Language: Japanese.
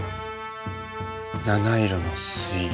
七色の水牛。